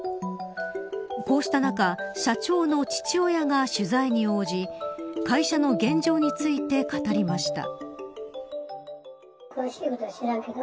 こうした中社長の父親が取材に応じ会社の現状について語りました。